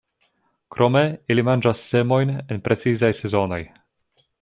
Krome ili manĝas semojn en precizaj sezonoj.